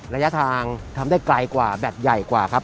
ระยะทางฝั่งได้กลายก่อแบตใหญ่กว่าครับ